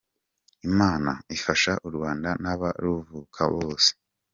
Imana ifashe u Rwanda n’abaruvuka bose.